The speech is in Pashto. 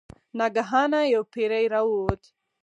ناګهانه یو پیری راووت.